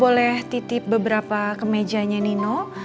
boleh titip beberapa kemejanya nino